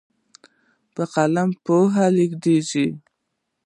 په قلم پوهه لیږدېږي.